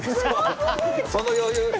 その余裕。